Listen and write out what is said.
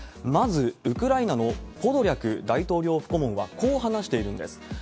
まず、ウクライナのポドリャク大統領府顧問はこう話しているんです。